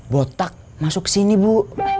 botak masuk kesini bu